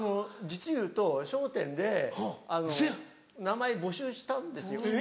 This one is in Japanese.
実を言うと『笑点』で名前募集したんですよ。